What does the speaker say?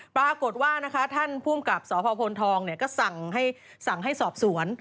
ปรากฏว่าท่านผู้กับสอพโพนทองก็สั่งให้สอบสวน